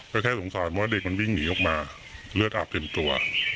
ก็แค่สงสัยเพราะเด็กมันวิ่งหนีออกมาเลือดอาบเต็มตัว